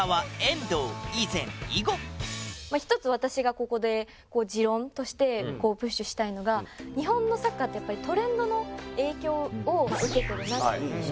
一つ私がここで持論としてプッシュしたいのが日本のサッカーってやっぱりトレンドの影響を受けているなっていう印象があって。